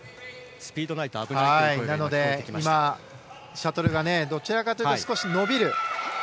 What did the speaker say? シャトルがどちらかというと少し伸びる。